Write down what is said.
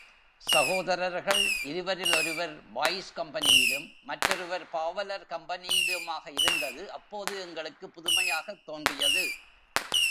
சகோதரர்கள் இருவரில் ஒருவர் பாய்ஸ் கம்பெனியிலும், மற்றொருவர் பாவலர் கம்பெனியிலுமாக இருந்தது, அப்போது எங்களுக்குப் புதுமையாகத் தோன்றியது.